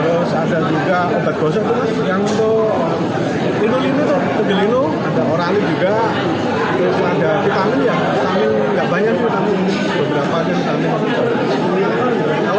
lino lino tuh ada oralin juga terus ada vitamin ya vitamin gak banyak tapi vitamin beberapa